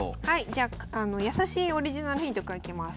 じゃあ易しいオリジナルヒントからいきます。